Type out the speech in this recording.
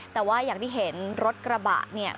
แต่ว่าอย่างที่เห็นรถกระบะเนี่ย